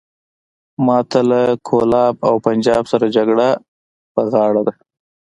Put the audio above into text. ماته له کولاب او پنجاب سره جګړه په غاړه ده.